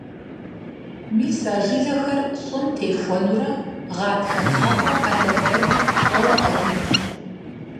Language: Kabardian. Мис а жылэхэр щӀым техуэнурэ гъатхэ къакӀуэ къэлэрдэгур щӀэуэ къэкӀынущ.